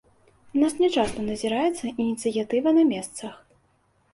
У нас нячаста назіраецца ініцыятыва на месцах.